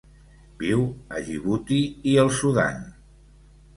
Viu a Djibouti i el Sudan.